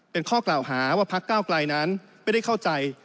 เป็นข้อกล่าวหาว่าพักเก้าไกลนั้นไม่ได้เข้าใจ